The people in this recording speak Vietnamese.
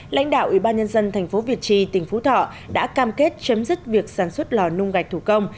lãnh đạo ủy ban nhân dân tp việt trì tỉnh phú thọ đã cam kết chấm dứt việc sản xuất lò nung gạch thủ công